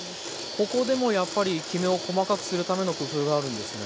ここでもやっぱりきめを細かくするための工夫があるんですね。